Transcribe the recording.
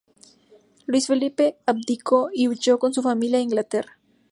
Luis Felipe abdicó y huyó con su familia a Inglaterra.